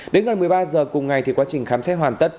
đến gần một mươi ba h cùng ngày quá trình khám xét hoàn tất